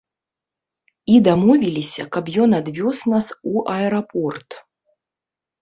І дамовіліся, каб ён адвёз нас у аэрапорт.